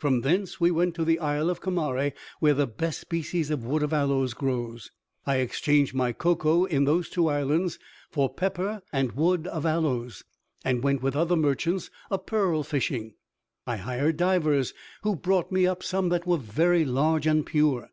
From thence we went to the Isle of Comari, where the best species of wood of aloes grows. I exchanged my cocoa in those two islands for pepper and wood of aloes, and went with other merchants a pearl fishing, I hired divers, who brought me up some that were very large and pure.